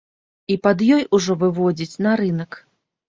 І пад ёй ужо выводзіць на рынак.